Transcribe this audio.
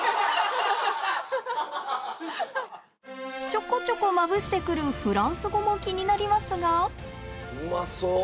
ちょこちょこまぶして来るフランス語も気になりますがうまそう。